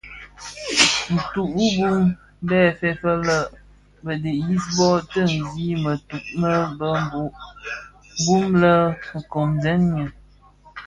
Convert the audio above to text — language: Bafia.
Ntug wu bum bë bè fèëfèg lè bi dhiyis bö tseghi mëtug me bhehho bum bë komzèn ňyi.